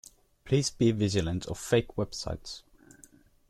Please be vigilant of fake websites.